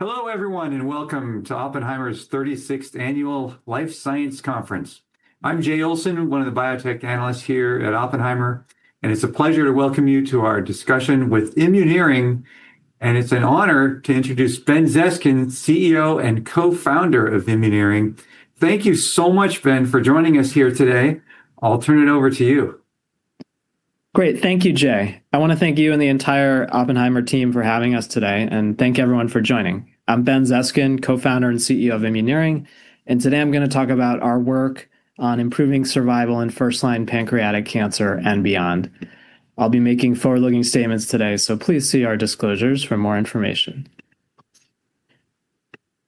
Hello, everyone, and welcome to Oppenheimer's 36th Annual Healthcare Life Sciences Conference. I'm Jay Olson, one of the biotech analysts here at Oppenheimer, and it's a pleasure to welcome you to our discussion with Immuneering, and it's an honor to introduce Ben Zeskind, CEO and Co-founder of Immuneering. Thank you so much, Ben, for joining us here today. I'll turn it over to you. Great. Thank you, Jay. I wanna thank you and the entire Oppenheimer team for having us today, thank everyone for joining. I'm Ben Zeskind, Co-Founder and CEO of Immuneering, today I'm gonna talk about our work on improving survival in first-line pancreatic cancer and beyond. I'll be making forward-looking statements today, please see our disclosures for more information.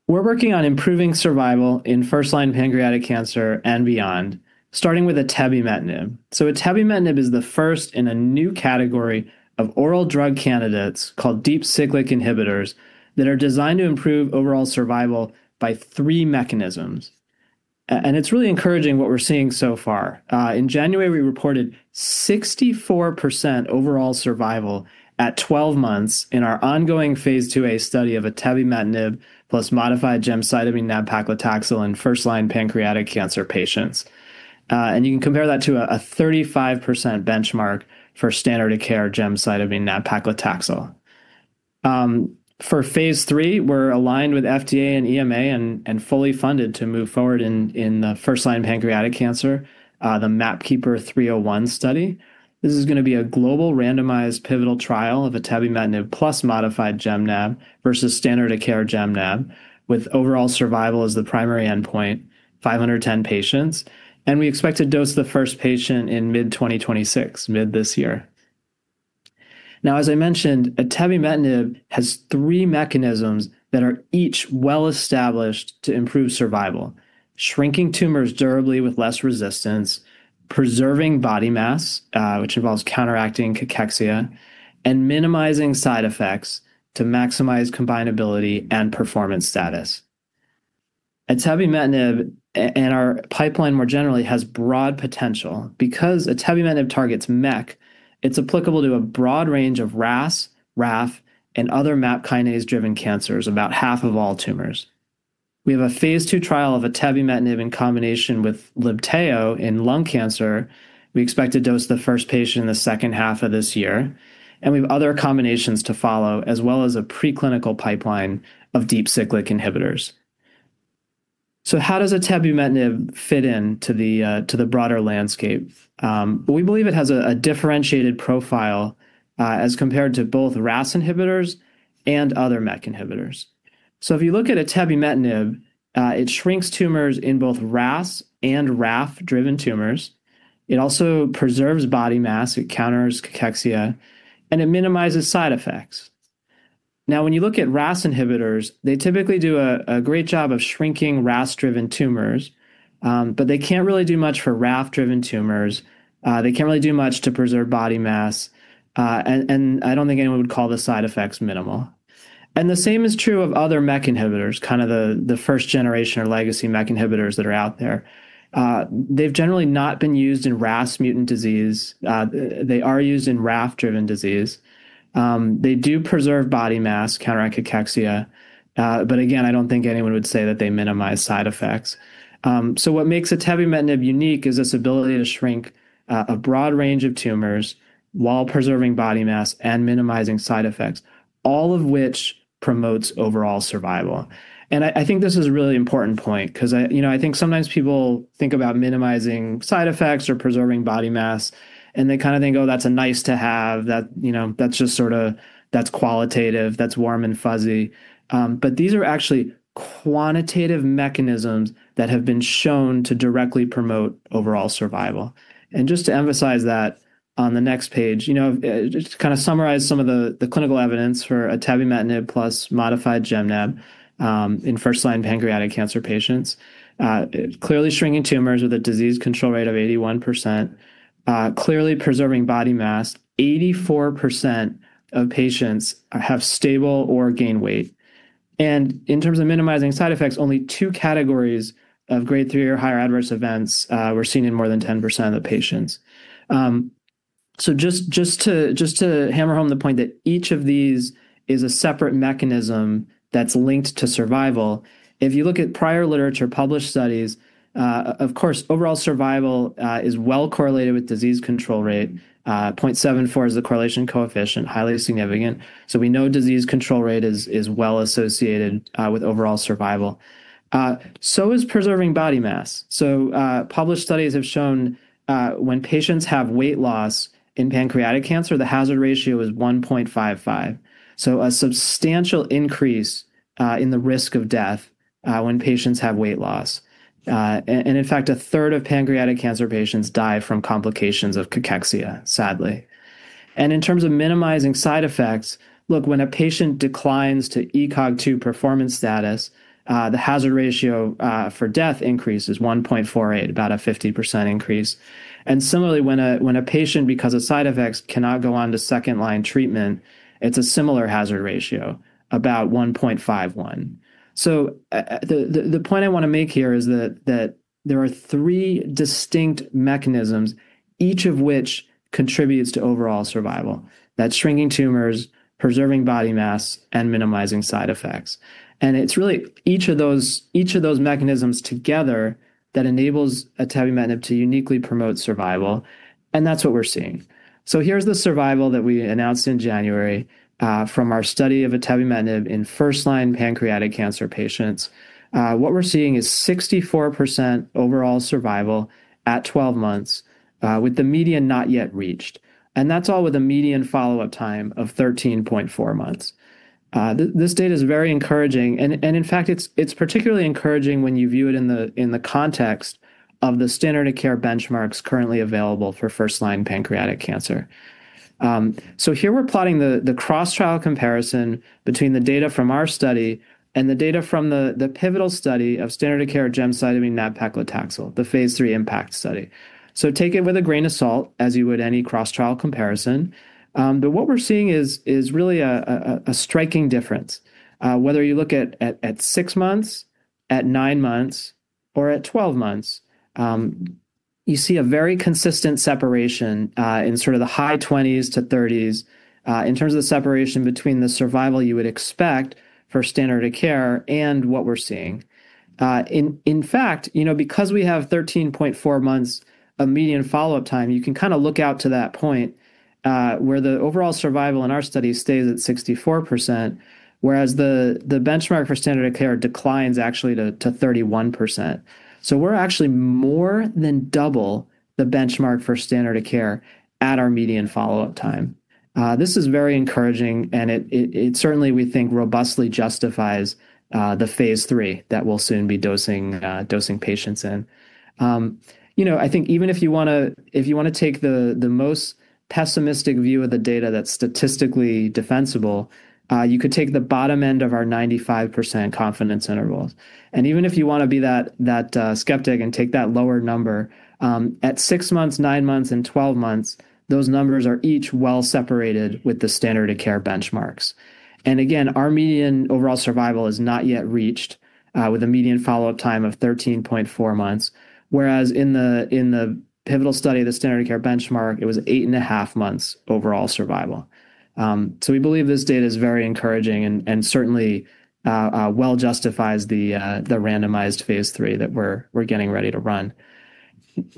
We're working on improving survival in first-line pancreatic cancer and beyond, starting with atebimetinib. Atebimetinib is the first in a new category of oral drug candidates called Deep Cyclic Inhibitors that are designed to improve overall survival by three mechanisms. It's really encouraging what we're seeing so far. In January, we reported 64% overall survival at 12 months in our ongoing P IIa study of atebimetinib plus modified gemcitabine nab-paclitaxel in first-line pancreatic cancer patients. You can compare that to a 35% benchmark for standard of care gemcitabine/nab-paclitaxel. For P III ,we're aligned with FDA and EMA and fully funded to move forward in first-line pancreatic cancer, the MAPKeepeR-301 study. This is gonna be a global randomized pivotal trial of atebimetinib plus mGnP versus standard of care gem/nab, with overall survival as the primary endpoint, 510 patients, and we expect to dose the first patient in mid-2026, mid this year. As I mentioned, atebimetinib has three mechanisms that are each well-established to improve survival: shrinking tumors durably with less resistance, preserving body mass, which involves counteracting cachexia, and minimizing side effects to maximize combinability and performance status. Atebimetinib and our pipeline, more generally, has broad potential. Atebimetinib targets MEK, it's applicable to a broad range of RAS, RAF, and other MAPK-driven cancers, about half of all tumors. We have a P II trial of atebimetinib in combination with Libtayo in lung cancer. We expect to dose the first patient in the second half of this year, we have other combinations to follow, as well as a preclinical pipeline of Deep Cyclic Inhibitors. How does atebimetinib fit in to the broader landscape? We believe it has a differentiated profile as compared to both RAS inhibitors and other MEK inhibitors. If you look at atebimetinib, it shrinks tumors in both RAS and RAF-driven tumors. It also preserves body mass, it counters cachexia, and it minimizes side effects. When you look at RAS inhibitors, they typically do a great job of shrinking RAS-driven tumors, but they can't really do much for RAF-driven tumors. They can't really do much to preserve body mass, and I don't think anyone would call the side effects minimal. The same is true of other MEK inhibitors, kind of the first generation or legacy MEK inhibitors that are out there. They've generally not been used in RAS mutant disease. They are used in RAF-driven disease. They do preserve body mass, counteract cachexia, but again, I don't think anyone would say that they minimize side effects. What makes atebimetinib unique is its ability to shrink a broad range of tumors while preserving body mass and minimizing side effects, all of which promotes overall survival. I think this is a really important point, 'cause I, you know, I think sometimes people think about minimizing side effects or preserving body mass, and they kind of think, "Oh, that's a nice to have, that. You know, that's just sort of, that's qualitative, that's warm and fuzzy." These are actually quantitative mechanisms that have been shown to directly promote overall survival. Just to emphasize that, on the next page, you know, just to kind of summarize some of the clinical evidence for atebimetinib plus modified gem/nab, in first-line pancreatic cancer patients, clearly shrinking tumors with a disease control rate of 81%, clearly preserving body mass, 84% of patients have stable or gain weight. In terms of minimizing side effects, only two categories of Grade 3 or higher adverse events were seen in more than 10% of the patients. Just to hammer home the point that each of these is a separate mechanism that's linked to survival, if you look at prior literature, published studies, of course, overall survival is well correlated with disease control rate. 0.74 is the correlation coefficient, highly significant, so we know disease control rate is well associated with overall survival. Is preserving body mass. Published studies have shown when patients have weight loss in pancreatic cancer, the hazard ratio is 1.55, a substantial increase in the risk of death when patients have weight loss. In fact, a third of pancreatic cancer patients die from complications of cachexia, sadly. In terms of minimizing side effects, look, when a patient declines to ECOG 2 performance status, the hazard ratio for death increase is 1.48, about a 50% increase. Similarly, when a patient, because of side effects, cannot go on to second-line treatment, it's a similar hazard ratio, about 1.51. The point I wanna make here is that there are three distinct mechanisms, each of which contributes to overall survival. That's shrinking tumors, preserving body mass, and minimizing side effects. It's really each of those mechanisms together that enables atezolizumab to uniquely promote survival, and that's what we're seeing. Here's the survival that we ann ounced in January, from our study of atebimetinib in first-line pancreatic cancer patients. What we're seeing is 64% overall survival at 12 months, with the median not yet reached, and that's all with a median follow-up time of 13.4 months. This data is very encouraging, and in fact, it's particularly encouraging when you view it in the context of the standard of care benchmarks currently available for first-line pancreatic cancer. Here we're plotting the cross-trial comparison between the data from our study and the data from the pivotal study of standard of care gemcitabine/nab-paclitaxel, the P III IMPACT study. Take it with a grain of salt, as you would any cross-trial comparison. What we're seeing is really a striking difference. Whether you look at six months, at nine months, or at 12 months, you see a very consistent separation in sort of the high 20s to 30s, in terms of the separation between the survival you would expect for standard of care and what we're seeing. In fact, you know, because we have 13.4 months of median follow-up time, you can kinda look out to that point, where the overall survival in our study stays at 64%, whereas the benchmark for standard of care declines actually to 31%. We're actually more than double the benchmark for standard of care at our median follow-up time. This is very encouraging, and it certainly, we think, robustly justifies the P III that we'll soon be dosing patients in. you know, I think even if you wanna take the most pessimistic view of the data that's statistically defensible, you could take the bottom end of our 95% confidence intervals. Even if you wanna be that skeptic and take that lower number, at six months, nine months, and 12 months, those numbers are each well separated with the standard of care benchmarks. Again, our median overall survival is not yet reached with a median follow-up time of 13.4 months, whereas in the pivotal study, the standard of care benchmark, it was eight and a half months overall survival. We believe this data is very encouraging and certainly well justifies the randomized P III that we're getting ready to run.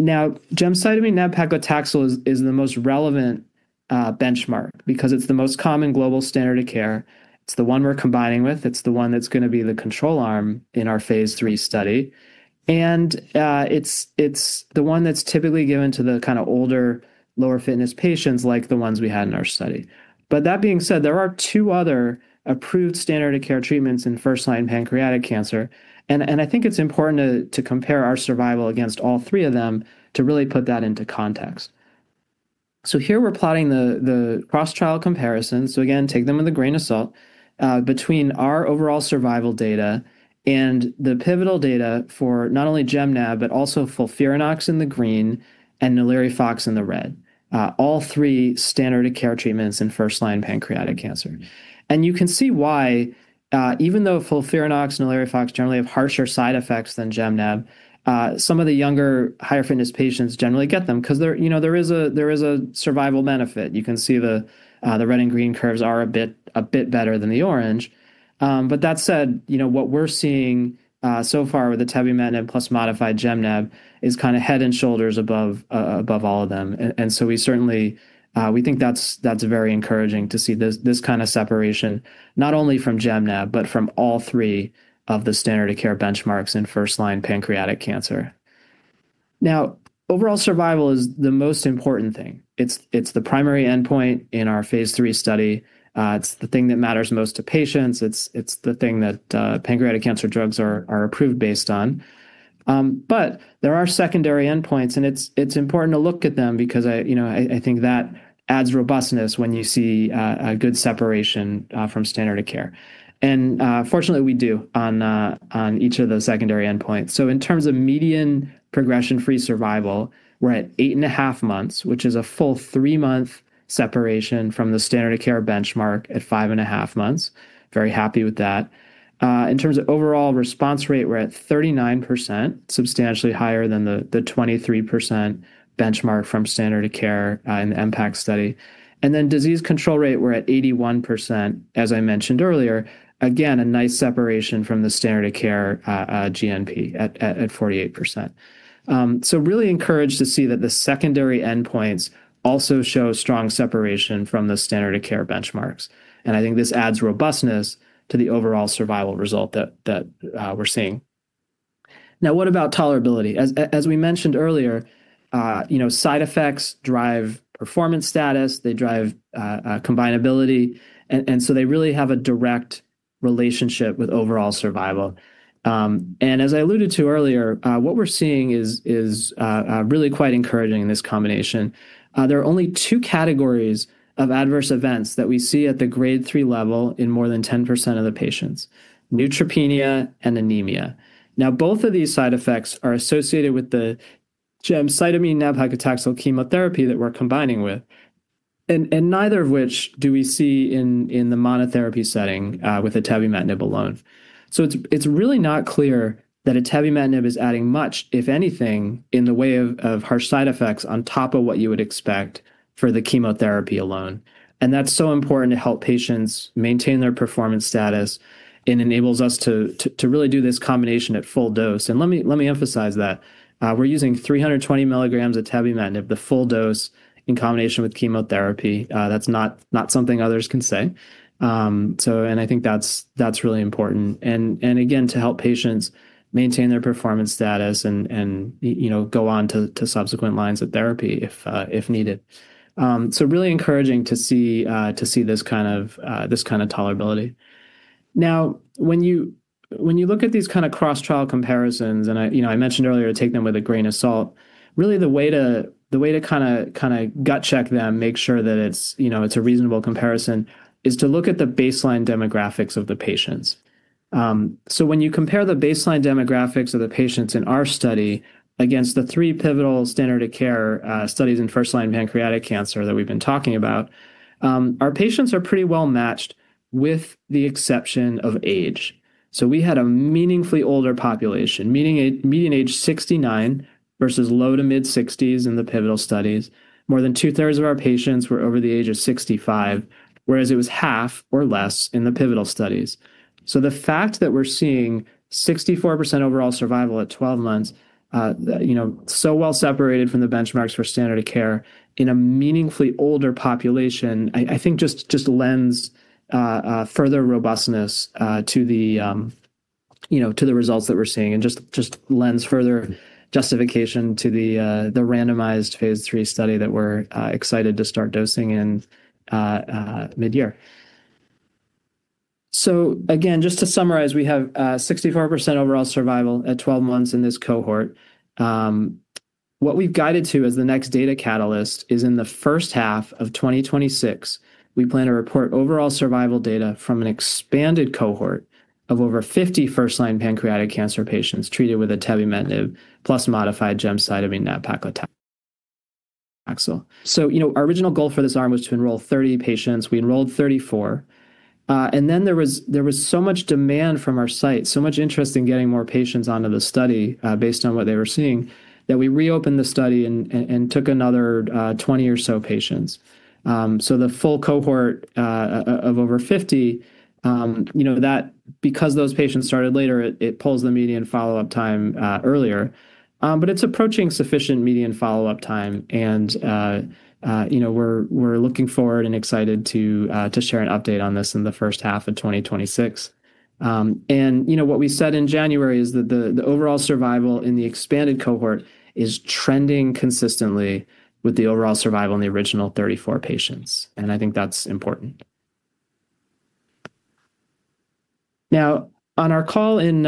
gemcitabine nab-paclitaxel is the most relevant benchmark because it's the most common global standard of care. It's the one we're combining with. It's the one that's gonna be the control arm in our P III study, and it's the one that's typically given to the kinda older, lower fitness patients, like the ones we had in our study. There are two other approved standard of care treatments in first-line pancreatic cancer, and I think it's important to compare our survival against all three of them to really put that into context. Here we're plotting the cross-trial comparison, so again, take them with a grain of salt, between our overall survival data and the pivotal data for not only gem/nab, but also FOLFIRINOX in the green and NALIRIFOX in the red, all three standard of care treatments in first-line pancreatic cancer. You can see why, even though FOLFIRINOX and NALIRIFOX generally have harsher side effects than gem/nab, some of the younger, higher fitness patients generally get them 'cause you know, there is a survival benefit. You can see the red and green curves are a bit better than the orange. That said, you know, what we're seeing so far with atezolizumab plus modified gem/nab is kinda head and shoulders above all of them. We certainly... we think that's very encouraging to see this kind of separation not only from gem/nab, but from all three of the standard of care benchmarks in first-line pancreatic cancer. Overall survival is the most important thing. It's the primary endpoint in our P III study. It's the thing that matters most to patients. It's the thing that, pancreatic cancer drugs are approved based on. There are secondary endpoints, and it's important to look at them because I, you know, I think that adds robustness when you see a good separation from standard of care. Fortunately, we do on each of those secondary endpoints. In terms of median progression-free survival, we're at eight and a half months, which is a full three-month separation from the standard of care benchmark at five and a half months. Very happy with that. In terms of overall response rate, we're at 39%, substantially higher than the 23% benchmark from standard of care in the IMPACT study. Then disease control rate, we're at 81%, as I mentioned earlier, again, a nice separation from the standard of care GNP at 48%. Really encouraged to see that the secondary endpoints also show strong separation from the standard of care benchmarks, and I think this adds robustness to the overall survival result that we're seeing. What about tolerability? As we mentioned earlier, you know, side effects drive performance status. They drive combinability, they really have a direct relationship with overall survival. As I alluded to earlier, what we're seeing really quite encouraging in this combination. There are only two categories of adverse events that we see at the Grade 3 level in more than 10% of the patients, neutropenia and anemia. Both of these side effects are associated with the gemcitabine nab-paclitaxel chemotherapy that we're combining with.... neither of which do we see in the monotherapy setting with atezolizumab alone. It's really not clear that atezolizumab is adding much, if anything, in the way of harsh side effects on top of what you would expect for the chemotherapy alone. That's so important to help patients maintain their performance status and enables us to really do this combination at full dose. Let me emphasize that we're using 320 milligrams of atebimetinib, the full dose, in combination with chemotherapy. That's not something others can say. I think that's really important. Again, to help patients maintain their performance status and, you know, go on to subsequent lines of therapy if needed. Really encouraging to see this kind of tolerability. When you look at these kind of cross-trial comparisons, and I, you know, I mentioned earlier, take them with a grain of salt, really the way to gut check them, make sure that it's, you know, it's a reasonable comparison, is to look at the baseline demographics of the patients. When you compare the baseline demographics of the patients in our study against the three pivotal standard of care studies in first-line pancreatic cancer that we've been talking about, our patients are pretty well matched, with the exception of age. We had a meaningfully older population, median age 69 versus low to mid-sixties in the pivotal studies. More than two-thirds of our patients were over the age of 65, whereas it was half or less in the pivotal studies. The fact that we're seeing 64% overall survival at 12 months, you know, so well separated from the benchmarks for standard of care in a meaningfully older population, I think just lends further robustness to the, you know, to the results that we're seeing, and just lends further justification to the randomized P III study that we're excited to start dosing in mid-year. Again, just to summarize, we have 64% overall survival at 12 months in this cohort. What we've guided to as the next data catalyst is in the first half of 2026, we plan to report overall survival data from an expanded cohort of over 50 first-line pancreatic cancer patients treated with atebimetinib, plus Modified Gemcitabine Nab-Paclitaxel. You know, our original goal for this arm was to enroll 30 patients. We enrolled 34. There was so much demand from our site, so much interest in getting more patients onto the study, based on what they were seeing, that we reopened the study and took another 20 or so patients. The full cohort of over 50, you know, that because those patients started later, it pulls the median follow-up time earlier. It's approaching sufficient median follow-up time, and, you know, we're looking forward and excited to share an update on this in the first half of 2026. You know, what we said in January is that the overall survival in the expanded cohort is trending consistently with the overall survival in the original 34 patients, and I think that's important. Now, on our call in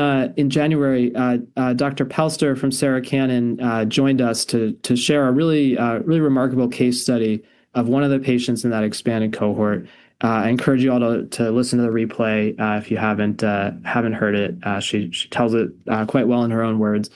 January, Dr. Pelster from Sarah Cannon, joined us to share a really remarkable case study of one of the patients in that expanded cohort. I encourage you all to listen to the replay, if you haven't heard it. She tells it quite well in her own words.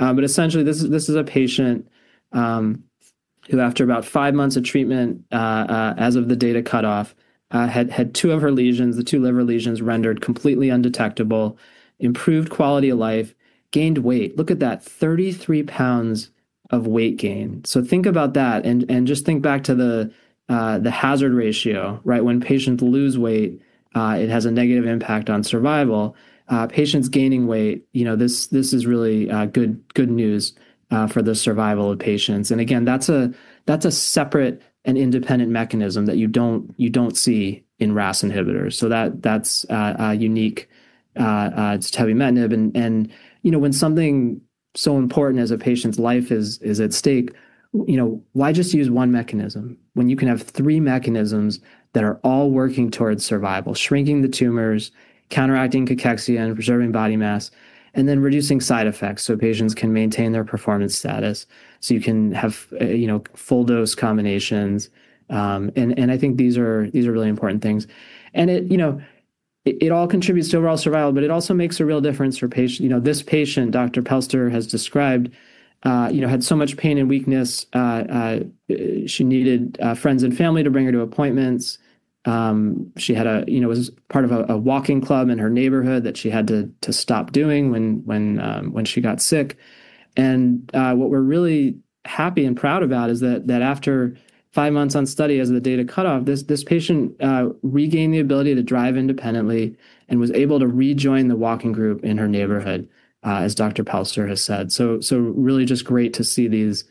Essentially, this is a patient, who, after about five months of treatment, as of the data cutoff, had two of her lesions, the two liver lesions rendered completely undetectable, improved quality of life, gained weight. Look at that, 33 pounds of weight gain. Think about that and just think back to the hazard ratio, right? When patients lose weight, it has a negative impact on survival. Patients gaining weight, you know, this is really good news for the survival of patients. Again, that's a separate and independent mechanism that you don't see in RAS inhibitors. That's a unique to atezolizumab. You know, when something so important as a patient's life is at stake, you know, why just use one mechanism when you can have three mechanisms that are all working towards survival, shrinking the tumors, counteracting cachexia, and preserving body mass, and then reducing side effects so patients can maintain their performance status, so you can have, you know, full dose combinations? I think these are really important things. It, you know, it all contributes to overall survival, but it also makes a real difference for patient... You know, this patient, Dr. Pelster, has described, you know, had so much pain and weakness. She needed friends and family to bring her to appointments. She had a, you know, was part of a walking club in her neighborhood that she had to stop doing when she got sick. What we're really happy and proud about is that after five months on study, as of the data cutoff, this patient regained the ability to drive independently and was able to rejoin the walking group in her neighborhood, as Dr. Pelster has said. Really just great to see these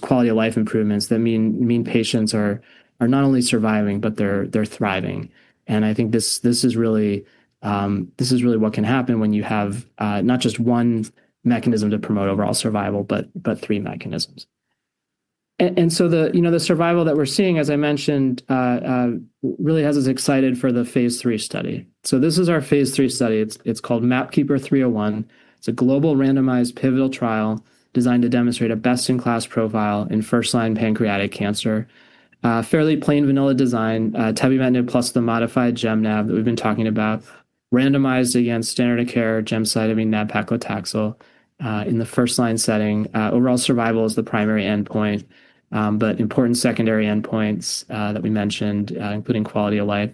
quality of life improvements that mean patients are not only surviving, but they're thriving. I think this is really what can happen when you have not just 1 mechanism to promote overall survival, but three mechanisms. The, you know, the survival that we're seeing, as I mentioned, really has us excited for the P III study. This is our P III study. It's called MAPKeeper 301. It's a global randomized pivotal trial designed to demonstrate a best-in-class profile in first-line pancreatic cancer. Fairly plain vanilla design, atezolizumab plus the modified gem/nab that we've been talking about, randomized against standard of care gemcitabine/nab-paclitaxel, in the first-line setting. Overall survival is the primary endpoint, but important secondary endpoints that we mentioned, including quality of life.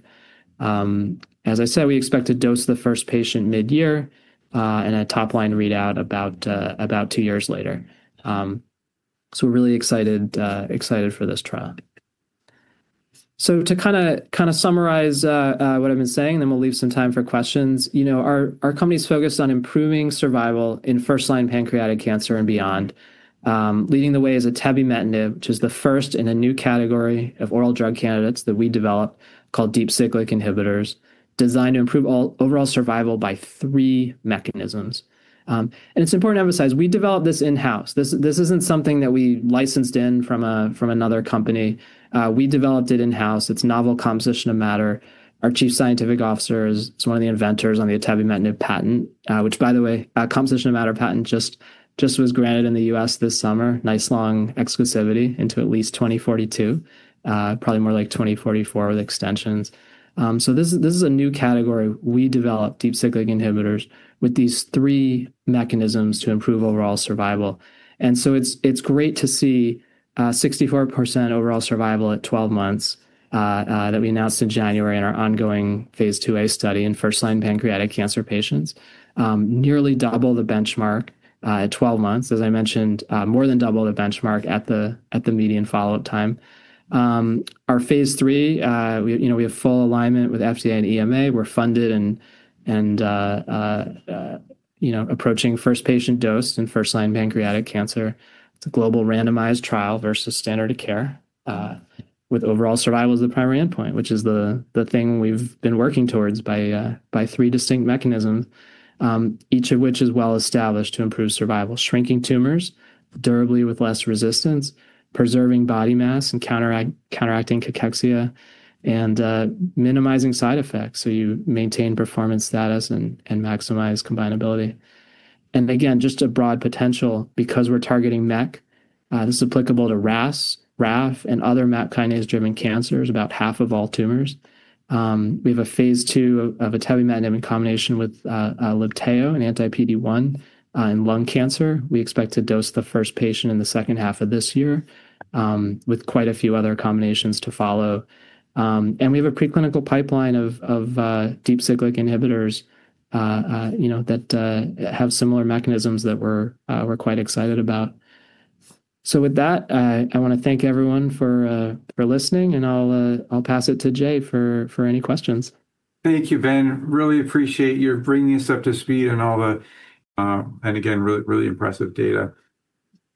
As I said, we expect to dose the first patient mid-year, and a top-line readout about two years later. We're really excited for this trial. To summarize what I've been saying, then we'll leave some time for questions. You know, our company is focused on improving survival in first-line pancreatic cancer and beyond. Leading the way is atebimetinib, which is the first in a new category of oral drug candidates that we developed called Deep Cyclic Inhibitors, designed to improve overall survival by three mechanisms. It's important to emphasize, we developed this in-house. This isn't something that we licensed in from another company. We developed it in-house. It's novel composition of matter. Our chief scientific officer is one of the inventors on the atebimetinib patent, which, by the way, a composition of matter patent just was granted in the U.S. this summer. Nice long exclusivity into at least 2042, probably more like 2044 with extensions. This is a new category. We developed Deep Cyclic Inhibitors with these three mechanisms to improve overall survival. It's great to see 64% overall survival at 12 months that we announced in January in our ongoing P IIa study in first-line pancreatic cancer patients. Nearly double the benchmark at 12 months, as I mentioned, more than double the benchmark at the median follow-up time. Our P III we, you know, we have full alignment with FDA and EMA. We're funded and, you know, approaching first patient dose in first-line pancreatic cancer. It's a global randomized trial versus standard of care, with overall survival as the primary endpoint, which is the thing we've been working towards by three distinct mechanisms, each of which is well-established to improve survival, shrinking tumors durably with less resistance, preserving body mass and counteracting cachexia, and minimizing side effects, so you maintain performance status and maximize combinability. Again, just a broad potential, because we're targeting MEK. This is applicable to RAS, RAF, and other MAPK-driven cancers, about half of all tumors. We have a P II of atezoliamab in combination with Libtayo, an anti-PD-1, in lung cancer. We expect to dose the first patient in the second half of this year, with quite a few other combinations to follow. We have a preclinical pipeline of Deep Cyclic Inhibitors, you know, that have similar mechanisms that we're quite excited about. With that, I want to thank everyone for listening, and I'll pass it to Jay for any questions. Thank you, Ben. Really appreciate your bringing us up to speed and all the. Again, really impressive data.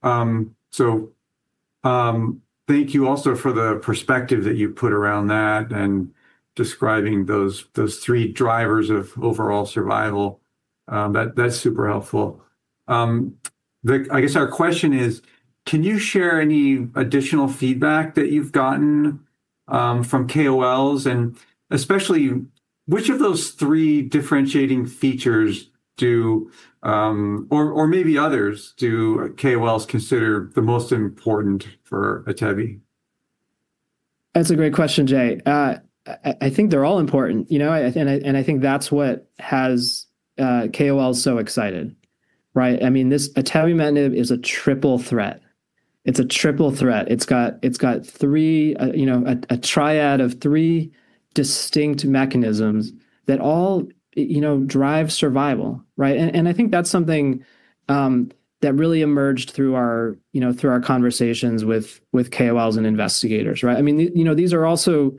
Thank you also for the perspective that you've put around that and describing those three drivers of overall survival. That's super helpful. I guess our question is, can you share any additional feedback that you've gotten from KOLs? Especially, which of those three differentiating features do or maybe others, do KOLs consider the most important for atebi? That's a great question, Jay. I think they're all important, you know, and I think that's what has KOLs so excited, right? I mean, this atezoliamab is a triple threat. It's a triple threat. It's got three, you know, a triad of three distinct mechanisms that all, you know, drive survival, right? I think that's something that really emerged through our conversations with KOLs and investigators, right? I mean, you know, these are also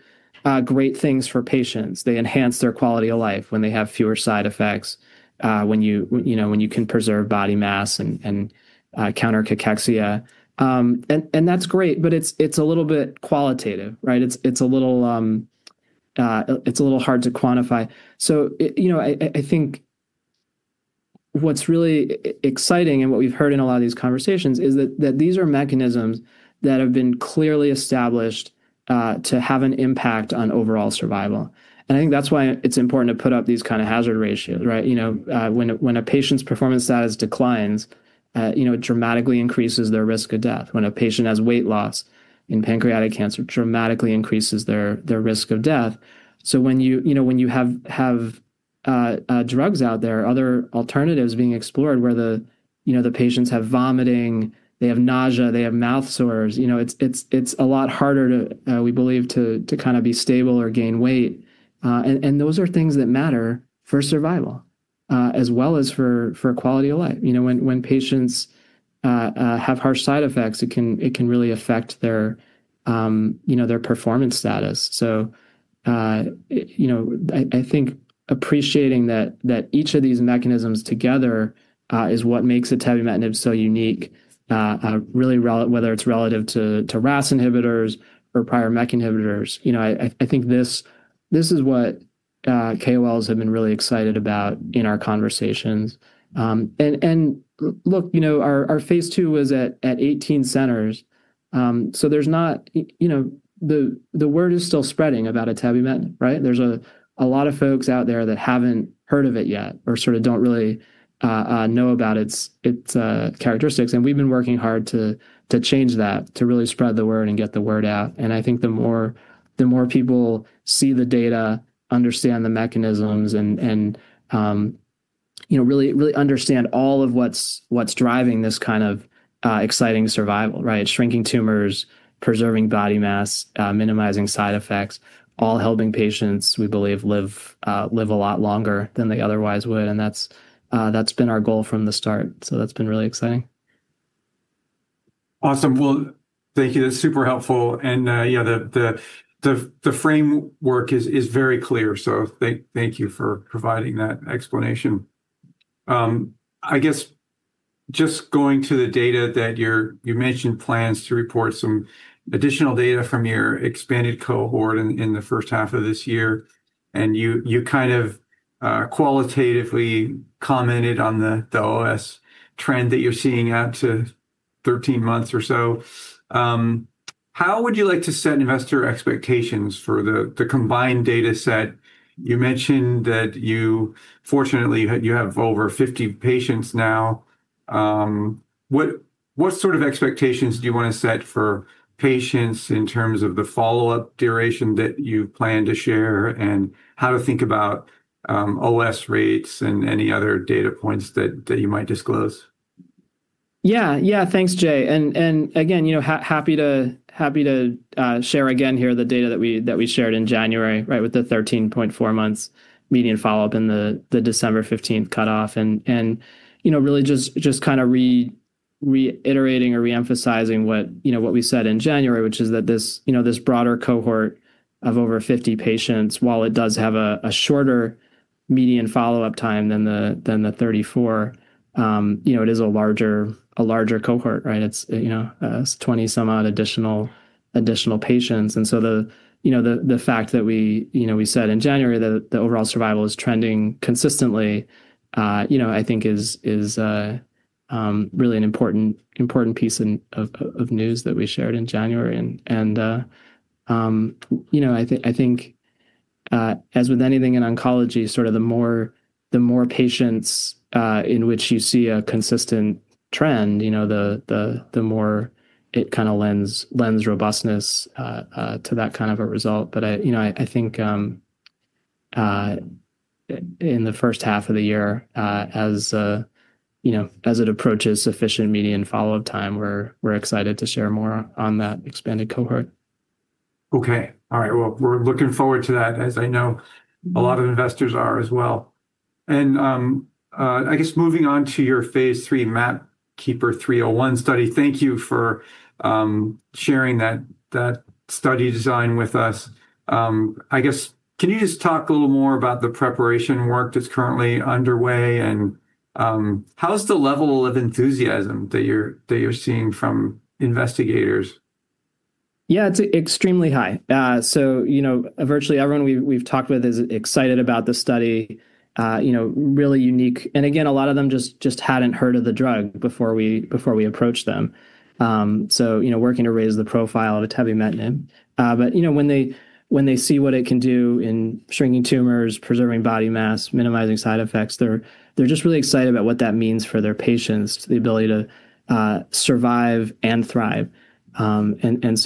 great things for patients. They enhance their quality of life when they have fewer side effects, when you know, when you can preserve body mass and counter cachexia. That's great, but it's a little bit qualitative, right? It's, it's a little, it's a little hard to quantify. You know, I think what's really exciting and what we've heard in a lot of these conversations is that these are mechanisms that have been clearly established to have an impact on overall survival. I think that's why it's important to put out these kind of hazard ratios, right? You know, when a patient's performance status declines, you know, it dramatically increases their risk of death. When a patient has weight loss in pancreatic cancer, dramatically increases their risk of death. When you know, when you have drugs out there, other alternatives being explored, where the, you know, the patients have vomiting, they have nausea, they have mouth sores, you know, it's a lot harder to, we believe, to kind of be stable or gain weight. Those are things that matter for survival, as well as for quality of life. You know, when patients have harsh side effects, it can, it can really affect their, you know, their performance status. You know, I think appreciating that each of these mechanisms together, is what makes atezoliamab so unique, really whether it's relative to RAS inhibitors or prior MEK inhibitors. You know, I think this is what KOLs have been really excited about in our conversations. Look, you know, our P II was at 18 centers, there's not you know, the word is still spreading about atebimetinib, right? There's a lot of folks out there that haven't heard of it yet or sort of don't really know about its characteristics, we've been working hard to change that, to really spread the word and get the word out. I think the more people see the data, understand the mechanisms and, you know, really understand all of what's driving this kind of exciting survival, right? Shrinking tumors, preserving body mass, minimizing side effects, all helping patients, we believe, live a lot longer than they otherwise would, and that's been our goal from the start. That's been really exciting. Awesome. Well, thank you. That's super helpful. Yeah, the framework is very clear. Thank you for providing that explanation. I guess just going to the data that you mentioned plans to report some additional data from your expanded cohort in the first half of this year, you kind of qualitatively commented on the OS trend that you're seeing out to 13 months or so. How would you like to set investor expectations for the combined data set? You mentioned that fortunately, you have over 50 patients now. What sort of expectations do you want to set for patients in terms of the follow-up duration that you plan to share? How to think about OS rates and any other data points that you might disclose? Yeah, yeah. Thanks, Jay. Again, you know, happy to, happy to share again here the data that we shared in January, right? With the 13.4 months median follow-up and the December 15th cutoff. You know, really just kind of reiterating or re-emphasizing what, you know, what we said in January, which is that this, you know, this broader cohort of over 50 patients, while it does have a shorter median follow-up time than the 34, you know, it is a larger cohort, right? It's, you know, it's 20 some odd additional patients. The, you know, the fact that we, you know, we said in January that the overall survival is trending consistently, you know, I think is really an important piece of news that we shared in January. You know, I think, as with anything in oncology, sort of the more patients, in which you see a consistent trend, you know, the more it kind of lends robustness to that kind of a result. I, you know, I think, in the first half of the year, as, you know, as it approaches sufficient median follow-up time, we're excited to share more on that expanded cohort. Okay. All right. Well, we're looking forward to that, as I know a lot of investors are as well. I guess moving on to your P III MAPKeeper 301 study, thank you for sharing that study design with us. I guess, can you just talk a little more about the preparation work that's currently underway, and how is the level of enthusiasm that you're seeing from investigators? Yeah, it's extremely high. You know, virtually everyone we've talked with is excited about the study, you know, really unique. Again, a lot of them just hadn't heard of the drug before we approached them. You know, working to raise the profile of atebimetinib. You know, when they see what it can do in shrinking tumors, preserving body mass, minimizing side effects, they're just really excited about what that means for their patients, the ability to survive and thrive.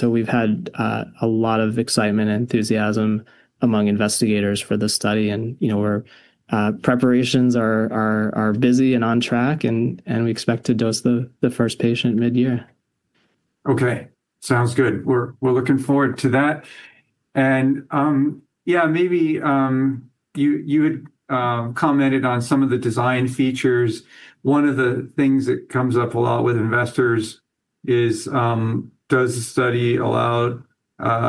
We've had a lot of excitement and enthusiasm among investigators for this study. You know, our preparations are busy and on track, and we expect to dose the first patient mid-year. Okay. Sounds good. We're looking forward to that. Yeah, maybe you had commented on some of the design features. One of the things that comes up a lot with investors is, does the study allow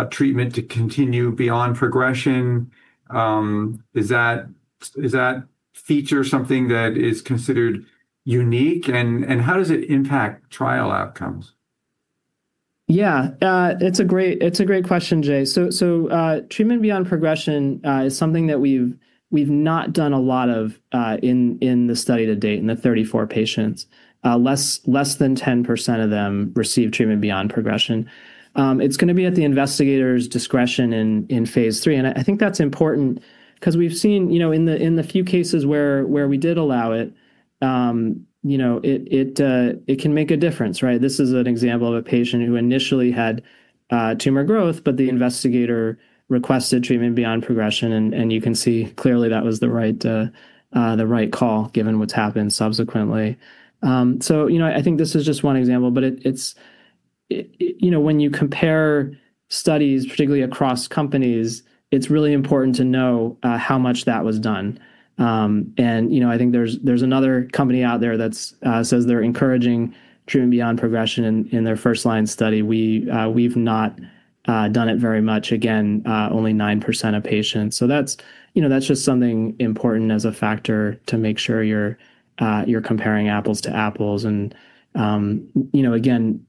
treatment to continue beyond progression? Is that feature something that is considered unique, and how does it impact trial outcomes? Yeah. It's a great question, Jay. Treatment beyond progression is something that we've not done a lot of in the study to date, in the 34 patients. Less than 10% of them receive treatment beyond progression. It's gonna be at the investigator's discretion in P III. I think that's important because we've seen, you know, in the few cases where we did allow it, you know, it can make a difference, right? This is an example of a patient who initially had tumor growth, but the investigator requested treatment beyond progression, and you can see clearly that was the right call, given what's happened subsequently. You know, I think this is just one example, but it's, you know, when you compare studies, particularly across companies, it's really important to know how much that was done. You know, I think there's another company out there that says they're encouraging treatment beyond progression in their first-line study. We've not done it very much. Again, only 9% of patients. That's, you know, that's just something important as a factor to make sure you're comparing apples to apples. You know, again,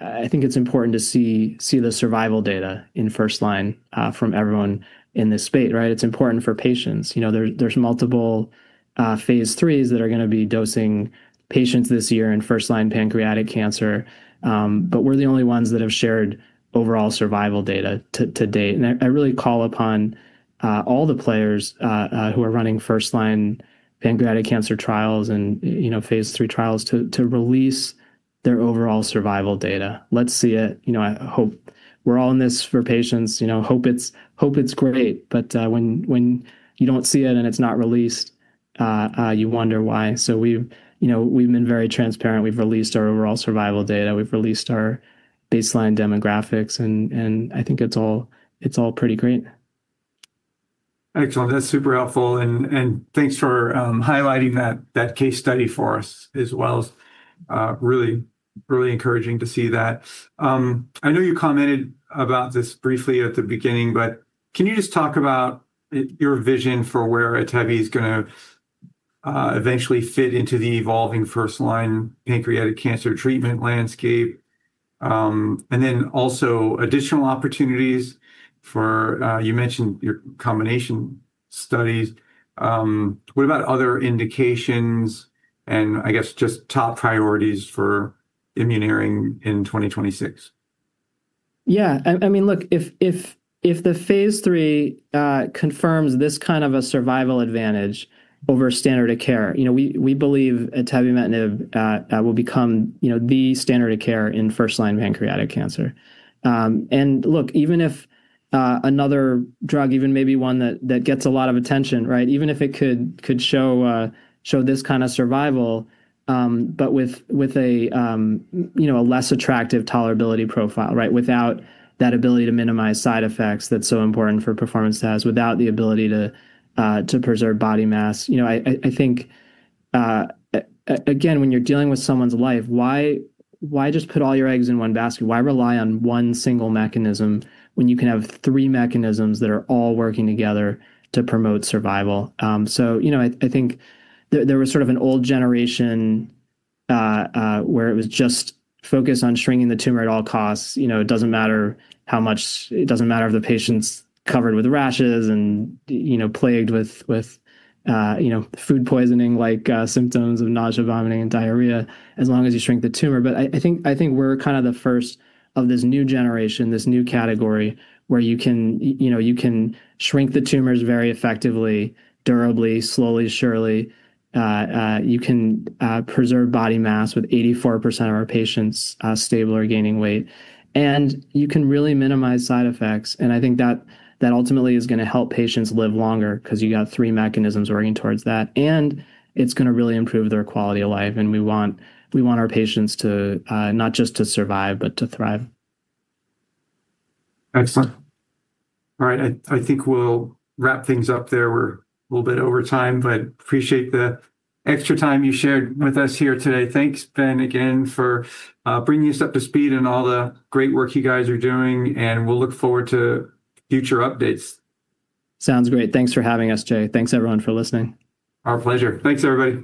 I think it's important to see the survival data in first line from everyone in this space, right? It's important for patients. You know, there's multiple P IIIs that are gonna be dosing patients this year in first-line pancreatic cancer, but we're the only ones that have shared overall survival data to date. I really call upon all the players who are running first-line pancreatic cancer trials and, you know, P III trials, to release their overall survival data. Let's see it. You know, I hope we're all in this for patients. You know, hope it's, hope it's great, but when you don't see it and it's not released, you wonder why. We've, you know, we've been very transparent. We've released our overall survival data. We've released our baseline demographics, and I think it's all pretty great. Excellent. That's super helpful, and thanks for highlighting that case study for us as well. It's really, really encouraging to see that. I know you commented about this briefly at the beginning, but can you just talk about your vision for where atebi is gonna eventually fit into the evolving first-line pancreatic cancer treatment landscape? Then also additional opportunities for, you mentioned your combination studies? What about other indications and I guess just top priorities for Immuneering in 2026? Yeah. I mean, look, if the P III confirms this kind of a survival advantage over standard of care, you know, we believe atebimetinib will become, you know, the standard of care in first-line pancreatic cancer. Look, even if another drug, even maybe one that gets a lot of attention, right? Even if it could show this kind of survival, but with a, you know, a less attractive tolerability profile, right? Without that ability to minimize side effects that's so important for performance status, without the ability to preserve body mass. You know, I think again, when you're dealing with someone's life, why just put all your eggs in one basket? Why rely on one single mechanism when you can have three mechanisms that are all working together to promote survival? You know, I think there was sort of an old generation, where it was just focused on shrinking the tumor at all costs. It doesn't matter if the patient's covered with rashes and, you know, plagued with, you know, food poisoning, like, symptoms of nausea, vomiting, and diarrhea, as long as you shrink the tumor. I think, I think we're kind of the first of this new generation, this new category, where you can, you know, you can shrink the tumors very effectively, durably, slowly, surely. You can preserve body mass with 84% of our patients stable or gaining weight, and you can really minimize side effects. I think that ultimately is gonna help patients live longer 'cause you got three mechanisms working towards that, it's gonna really improve their quality of life, and we want our patients to not just to survive, but to thrive. Excellent. All right. I think we'll wrap things up there. We're a little bit over time, but appreciate the extra time you shared with us here today. Thanks, Ben, again, for bringing us up to speed and all the great work you guys are doing, and we'll look forward to future updates. Sounds great. Thanks for having us, Jay. Thanks everyone for listening. Our pleasure. Thanks, everybody.